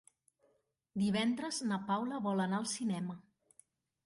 Divendres na Paula vol anar al cinema.